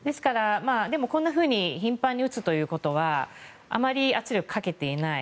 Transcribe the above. でも、こんなふうに頻繁に撃つということはあまり圧力をかけていない。